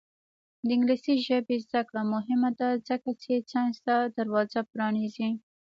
د انګلیسي ژبې زده کړه مهمه ده ځکه چې ساینس ته دروازه پرانیزي.